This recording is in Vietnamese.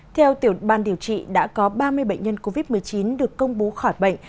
theo tiểu ban điều trị đã có ba mươi bệnh nhân covid một mươi chín được công bố khỏi bệnh